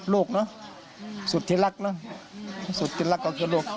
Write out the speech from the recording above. ลูกเนอะสุดที่รักนะสุดที่รักก็คือลูก